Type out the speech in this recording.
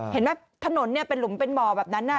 เห็นไหมถนนเป็นหลุมเป็นบ่อแบบนั้น